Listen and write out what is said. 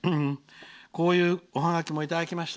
こういうおはがきもいただきました。